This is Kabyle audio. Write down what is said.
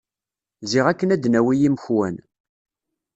Ziɣ akken ad d-nawi imekwan.